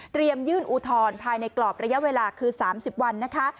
เตรียมยื่นอุทรภายในกรอบระยะเวลาคือ๓๐วันนะคะ